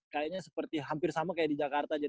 kayaknya seperti hampir sama kayak di jakarta